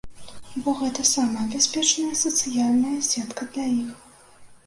Бо гэта самая бяспечная сацыяльная сетка для іх.